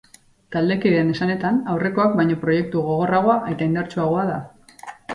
Taldekideen esanetan, aurrekoak baino proiektu gogorragoa eta indartsuagoa da.